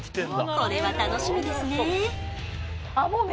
これは楽しみですね